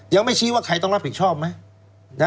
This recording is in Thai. ยังไม่ชี้ว่าใครต้องรับผิดชอบไหม